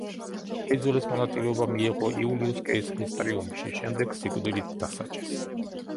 აიძულეს მონაწილეობა მიეღო იულიუს კეისრის ტრიუმფში, შემდეგ სიკვდილით დასაჯეს.